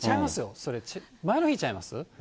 それ、前の日ちゃいます？